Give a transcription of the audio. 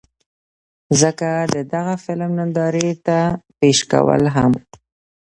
ځکه د دغه فلم نندارې ته پېش کول هم